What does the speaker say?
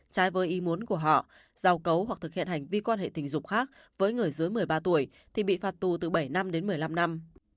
trái với ý muốn của họ giao cấu hoặc thực hiện hành vi quan hệ tình dục khác với người dưới một mươi ba tuổi thì bị phạt tù từ bảy năm đến một mươi năm năm